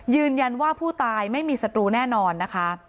ยืนยันว่าผู้ตายไม่มีศัตรูแน่นอนนะคะ